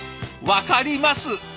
分かります！